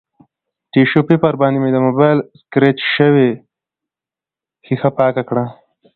ټیشو پیپر باندې مې د مبایل سکریچ شوې ښیښه پاکه کړه